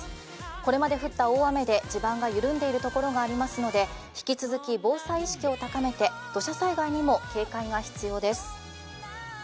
これまで降った大雨で地盤が緩んでいるところがありますので引き続き防災意識を高めて土砂災害にも警戒が必要です。